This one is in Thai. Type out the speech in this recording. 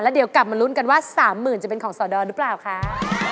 เดี๋ยวกลับมาลุ้นกันว่า๓๐๐๐จะเป็นของสดรหรือเปล่าคะ